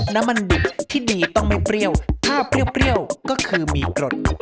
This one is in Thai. น้ำมันดิบที่ดีต้องไม่เปรี้ยวถ้าเปรี้ยวก็คือมีกรด